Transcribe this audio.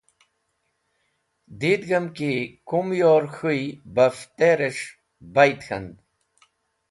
Didig̃hem ki Kumyor k̃hũy bafteres̃h bayd k̃hand.